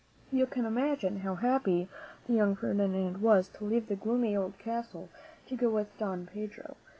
You can imagine how happy the young Fer dinand was to leave the gloomy old castle to go with Don Pedro.